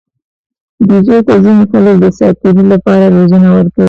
بیزو ته ځینې خلک د ساتیرۍ لپاره روزنه ورکوي.